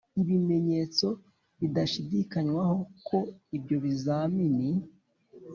Ibimenyetso Bidashidikanywaho Ko Ibyo Bizamini